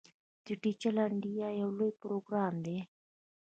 ډیجیټل انډیا یو لوی پروګرام دی.